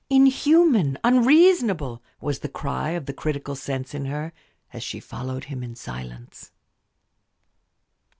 "Inhuman! unreasonable!" was the cry of the critical sense in her as she followed him in silence.